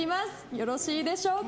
よろしいでしょうか。